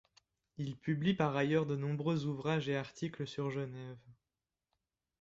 Il publie par ailleurs de nombreux ouvrages et articles sur Genève.